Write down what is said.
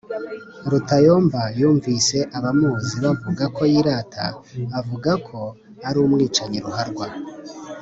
Rutayomba numvise abamuzi bavuga ko yirata avuga ko ari umwicanyi ruharwa,